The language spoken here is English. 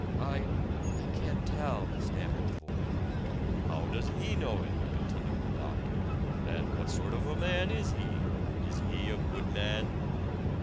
"I I can't tell," stammered the boy. "How does he know it?" continued the doctor. "And what sort of a man is he? Is he a good man?"